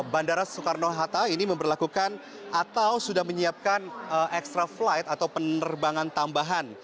bandara soekarno hatta ini memperlakukan atau sudah menyiapkan extra flight atau penerbangan tambahan